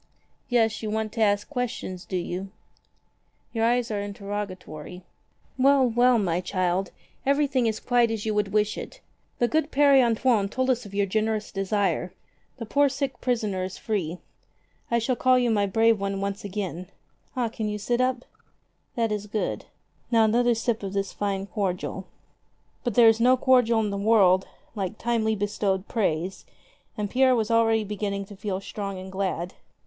Yes, you want to ask questions, do you ? Your eyes are interrogatory. Well, well, my child, everything is quite as you would wish it. The good Pere Antoine told us of your generous desire. The poor sick prisoner is free. I shall call you my brave one once again. Ah, you can sit up ? That is good. Now, another sip of this fine cordial." But there is no cordial in the world like timely bestowed praise, and Pierre was already beginning to feel strong and glad.